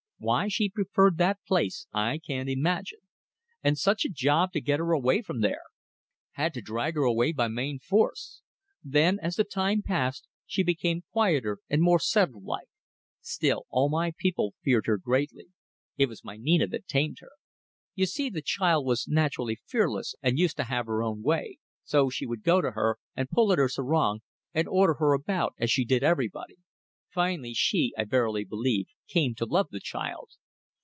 Why she preferred that place, I can't imagine! And such a job to get her away from there. Had to drag her away by main force. Then, as the time passed, she became quieter and more settled, like. Still, all my people feared her greatly. It was my Nina that tamed her. You see the child was naturally fearless and used to have her own way, so she would go to her and pull at her sarong, and order her about, as she did everybody. Finally she, I verily believe, came to love the child.